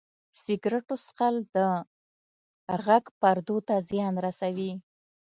سګرټو څښل د غږ پردو ته زیان رسوي.